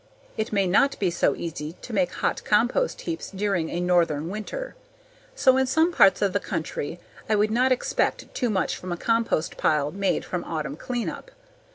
It may not be so easy to make hot compost heaps during a northern winter. So in some parts of the country I would not expect too much from a compost pile made from autumn cleanup.